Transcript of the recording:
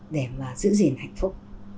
để mà giữ gìn hạnh phúc